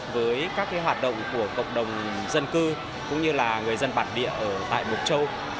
với các hoạt động của cộng đồng dân cư cũng như là người dân bản địa ở tại mộc châu